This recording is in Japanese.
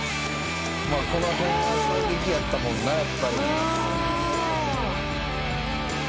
「この辺は衝撃やったもんなやっぱり」